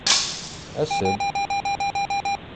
As-d!